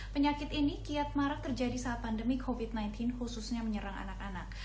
penyakit ini kiat marak terjadi saat pandemi covid sembilan belas khususnya menyerang anak anak